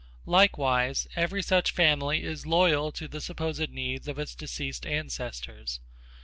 Likewise, every such family is loyal to the supposed needs of its deceased ancestors.